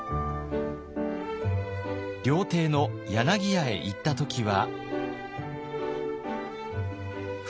料亭の柳屋へ行った時は。